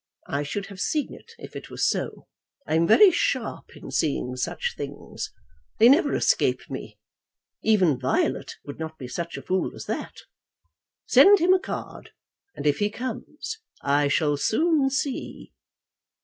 I should have seen it if it was so. I am very sharp in seeing such things. They never escape me. Even Violet would not be such a fool as that. Send him a card, and if he comes I shall soon see."